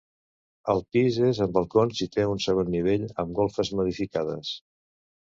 El pis és amb balcons i té un segon nivell amb golfes modificades.